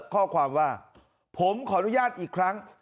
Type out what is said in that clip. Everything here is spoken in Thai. ข้อความว่าผมขออนุญาตอีกครั้ง